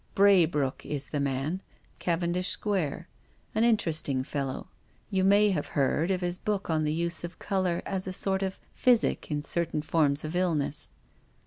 " Braybrookc is the man — Cavendish Square. An interesting fellow. You may have heard of his book on the use of colour as a sort of physic in certain forms of illness."